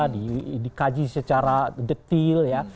dikaji secara detail ya